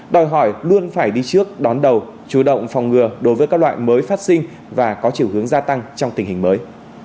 đòi hỏi luôn phải đi trước đón đầu chủ động phòng ngừa đối với các loại mới phát sinh và có chiều hướng gia tăng trong tình hình mới